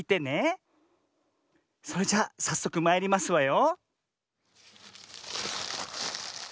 それじゃさっそくまいりますわよ。